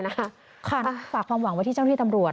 ขอบคุณฝากความหวังวัติเจ้าพี่ตำรวจ